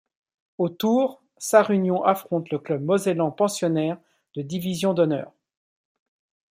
Au tour, Sarre-Union affronte le club mosellan pensionnaire de division d'honneur.